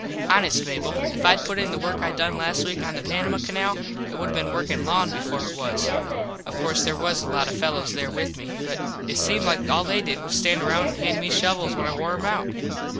Honest, Mable, if Id put in the work I done last week on the Panamah Canal it would have been workin long before it was. Of course there was a lot of fellos there with me but it seemed like all they did was to stand round and hand me shovels when I wore em out.